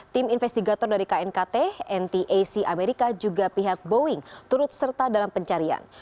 tim investigator dari knkt ntac amerika juga pihak boeing turut serta dalam pencarian